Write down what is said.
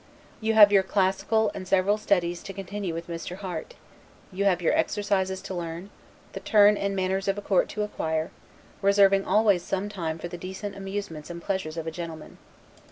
You have your classical and severer studies to continue with Mr. Harte; you have your exercises to learn; the turn and manners of a court to acquire; reserving always some time for the decent amusements and pleasures of a gentleman.